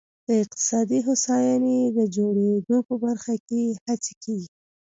د اقتصادي هوساینې د جوړېدو په برخه کې هڅې کېږي.